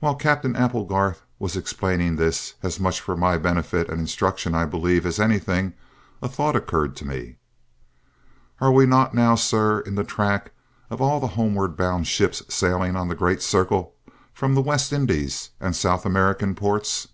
While Captain Applegarth was explaining this, as much for my benefit and instruction, I believe, as anything, a thought occurred to me. "Are we not now, sir, in the track of all the homeward bound ships sailing on the great circle from the West Indies and South American ports?"